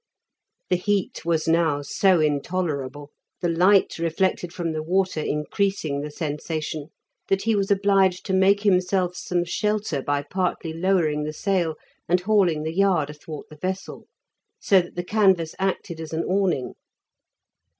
The heat was now so intolerable, the light reflected from the water increasing the sensation, that he was obliged to make himself some shelter by partly lowering the sail, and hauling the yard athwart the vessel, so that the canvas acted as an awning.